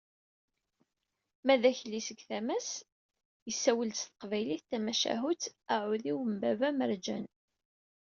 Ma d Akli seg tama-s, yessawel-d s teqbaylit tamacahut “Aɛudiw n baba Merǧan”.